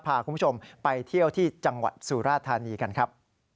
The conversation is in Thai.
พาคุณผู้ชมไปเที่ยวที่จังหวัดสุราธานีกันครับ